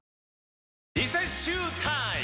リセッシュータイム！